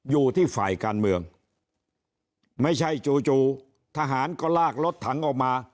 อยู่ที่ฝ่ายการเมืองไม่ใช่จู่จู่ทหารก็ลากรถถังออกมา